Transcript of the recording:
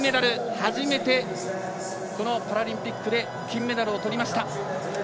初めて、このパラリンピックで金メダルをとりました。